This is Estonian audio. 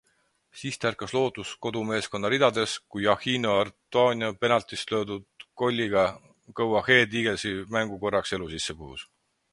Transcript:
Siis tärkas lootus kodumeeskonna ridades, kui Jarchinio Antonia penaltist löödud kolliga Go Ahead Eaglesi mängu korraks elu sisse puhus.